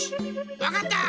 わかった！